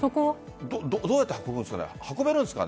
どうやって運ぶんですか？